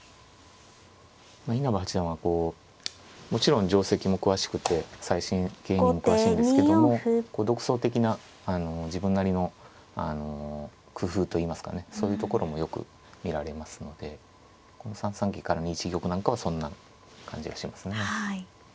稲葉八段はこうもちろん定跡も詳しくて最新型にも詳しいんですけども独創的な自分なりの工夫といいますかねそういうところもよく見られますのでこの３三桂から２一玉なんかはそんな感じがしますね。